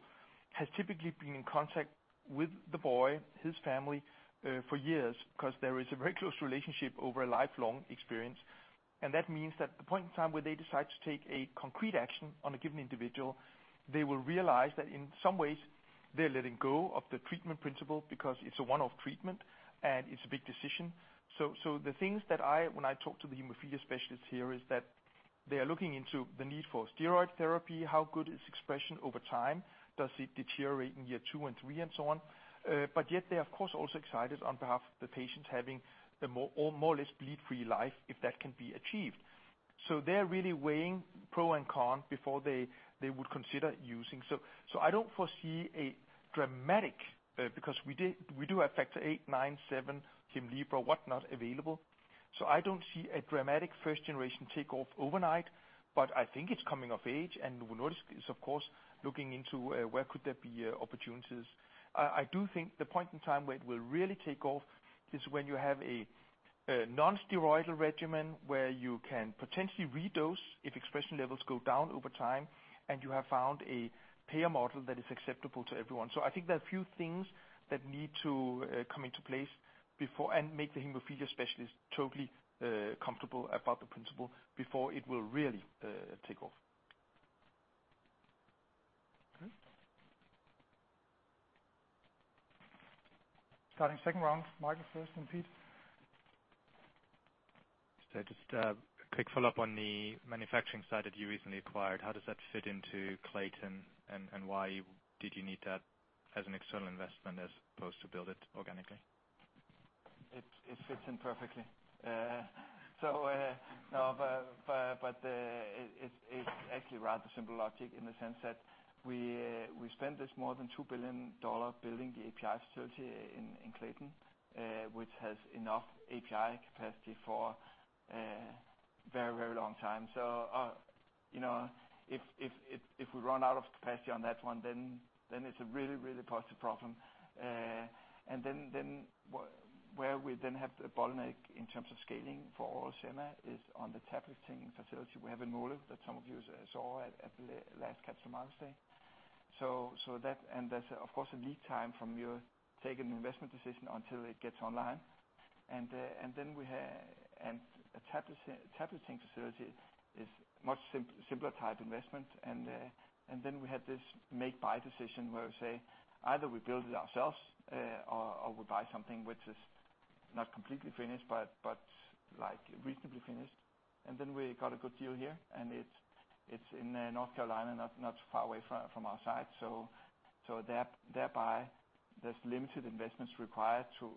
Speaker 3: has typically been in contact with the boy, his family for years because there is a very close relationship over a lifelong experience. That means that the point in time where they decide to take a concrete action on a given individual, they will realize that in some ways they're letting go of the treatment principle because it's a one-off treatment and it's a big decision. The things that when I talk to the hemophilia specialists here, is that they are looking into the need for steroid therapy. How good is expression over time? Does it deteriorate in year two and three and so on? Yet they are of course also excited on behalf of the patients having a more or less bleed-free life if that can be achieved. They're really weighing pro and con before they would consider using. I don't foresee a dramatic, because we do have factor eight, nine, seven, Hemlibra, whatnot available. I don't see a dramatic first generation take-off overnight, but I think it's coming of age, and Novo Nordisk is, of course, looking into where could there be opportunities. I do think the point in time where it will really take off is when you have a non-steroidal regimen where you can potentially redose if expression levels go down over time, and you have found a payer model that is acceptable to everyone. I think there are a few things that need to come into place before and make the hemophilia specialist totally comfortable about the principle before it will really take off.
Speaker 2: Starting second round, Michael first, then Pete.
Speaker 8: Just a quick follow-up on the manufacturing side that you recently acquired. How does that fit into Clayton, and why did you need that as an external investment as opposed to build it organically?
Speaker 4: It fits in perfectly. It's actually rather simple logic in the sense that we spent this more than DKK 2 billion building the API facility in Clayton, which has enough API capacity for very long time. If we run out of capacity on that one, it's a really positive problem. Where we have a bottleneck in terms of scaling for oral sema is on the tabletting facility we have in that some of you saw at the last Capital Markets Day. There's, of course, a lead time from your taking an investment decision until it gets online. A tabletting facility is much simpler type investment. We had this make-buy decision where we say either we build it ourselves or we buy something which is not completely finished, but reasonably finished. We got a good deal here, and it's in North Carolina, not far away from our site. Thereby, there's limited investments required to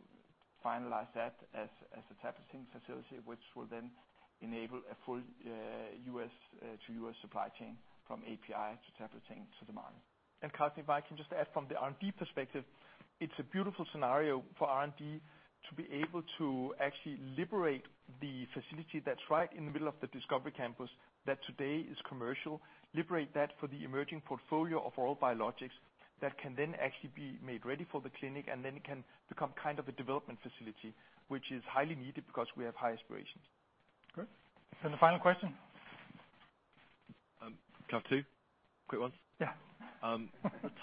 Speaker 4: finalize that as a tabletting facility, which will then enable a full to U.S. supply chain from API to tabletting to the market.
Speaker 3: Carlo, if I can just add from the R&D perspective, it is a beautiful scenario for R&D to be able to actually liberate the facility that is right in the middle of the discovery campus that today is commercial, liberate that for the emerging portfolio of oral biologics that can then actually be made ready for the clinic, and then it can become kind of a development facility, which is highly needed because we have high aspirations.
Speaker 2: Great. The final question.
Speaker 12: Can I have two quick ones?
Speaker 2: Yeah.
Speaker 12: The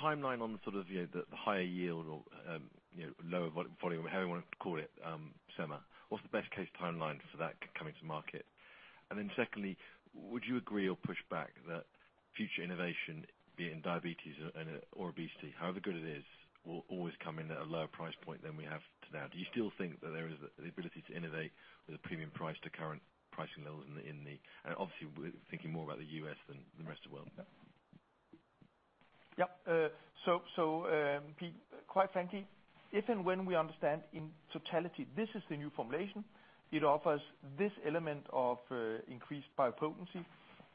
Speaker 12: timeline on the sort of the higher yield or lower volume, however you want to call it, sema, what's the best-case timeline for that coming to market? Secondly, would you agree or push back that future innovation, be it in diabetes or obesity, however good it is, will always come in at a lower price point than we have to now? Do you still think that there is the ability to innovate with a premium price to current pricing levels and obviously we're thinking more about the U.S. than the rest of the world.
Speaker 3: Yeah. Pete, quite frankly, if and when we understand in totality, this is the new formulation, it offers this element of increased biopotency,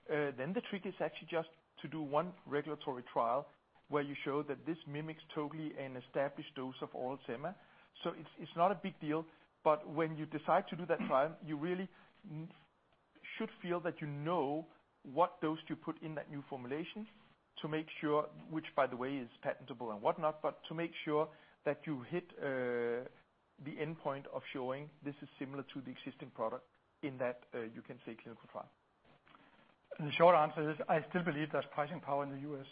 Speaker 3: then the trick is actually just to do one regulatory trial where you show that this mimics totally an established dose of oral sema. It's not a big deal, but when you decide to do that trial, you really should feel that you know what dose to put in that new formulation to make sure, which by the way, is patentable and whatnot, but to make sure that you hit the endpoint of showing this is similar to the existing product in that you can take clinical trial.
Speaker 2: The short answer is, I still believe there's pricing power in the U.S.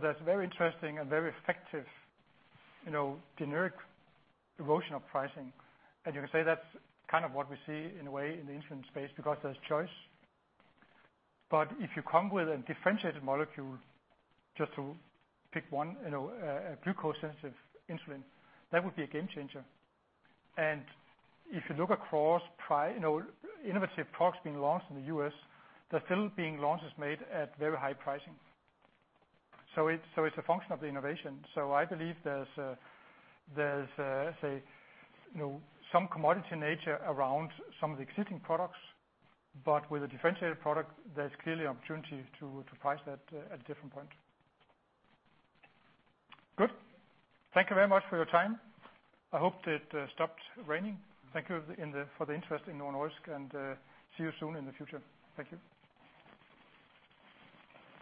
Speaker 2: That's very interesting and very effective generic erosion of pricing. You can say that's kind of what we see in a way in the insulin space because there's choice. If you come with a differentiated molecule, just to pick one, a glucose-sensitive insulin, that would be a game changer. If you look across innovative products being launched in the U.S., they're still being launches made at very high pricing. It's a function of the innovation. I believe there's some commodity nature around some of the existing products, but with a differentiated product, there's clearly opportunity to price that at a different point. Good. Thank you very much for your time. I hope it stopped raining. Thank you for the interest in Novo Nordisk, and see you soon in the future. Thank you.